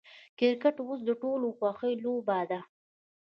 کرکټ اوس د ټولو د خوښې لوبه ده.